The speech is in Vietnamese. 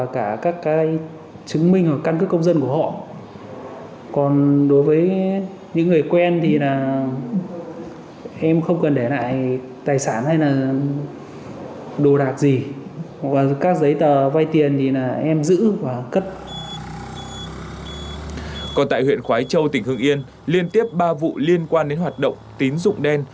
còn tại huyện khói châu tỉnh hưng yên liên tiếp ba vụ liên quan đến hoạt động tín dụng đen